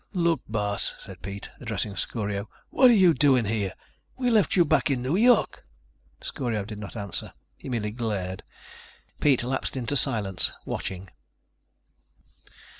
"Look, boss," said Pete, addressing Scorio, "what are you doing here? We left you back in New York." Scorio did not answer. He merely glared. Pete lapsed into silence, watching.